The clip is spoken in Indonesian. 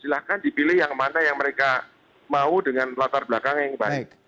silahkan dipilih yang mana yang mereka mau dengan latar belakang yang baik